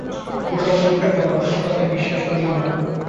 ও-সব মূর্খের কথা, ও-সব কথায় বিশ্বাস করিও না।